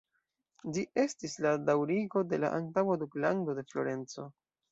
Ĝi estis la daŭrigo de la antaŭa Duklando de Florenco.